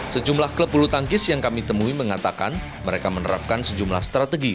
sejumlah klub bulu tangkis yang kami temui mengatakan mereka menerapkan sejumlah strategi